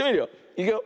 いくよ。